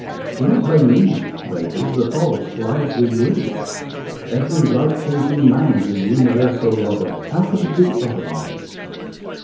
Do not blame me, Ladies, the fault lies with you. Every right thinking man is an universal lover; how could it be otherwise?